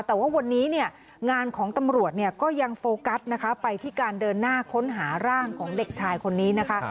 แต่ว่าวันนี้เนี่ยงานของตำรวจเนี่ยก็ยังโฟกัสนะคะไปที่การเดินหน้าค้นหาร่างของเด็กชายคนนี้นะคะ